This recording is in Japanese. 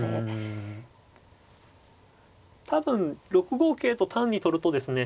多分６五桂と単に取るとですね